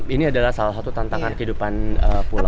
ini adalah salah satu tantangan kehidupan pulau